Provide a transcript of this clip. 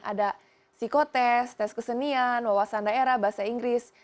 ada psikotest tes kesenian wawasan daerah bahasa inggris